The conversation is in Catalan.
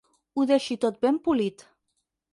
Ho deixi tot ben polit.